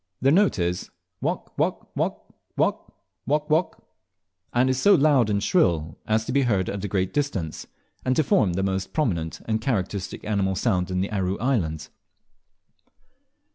Their note is, "Wawk wawk wawk Wok wok wok," and is so loud and shrill as to be heard a great distance, and to form the most prominent and characteristic animal sound in the Aru Islands.